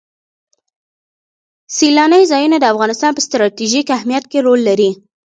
سیلانی ځایونه د افغانستان په ستراتیژیک اهمیت کې رول لري.